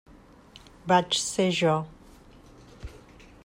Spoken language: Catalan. Vaig ser jo.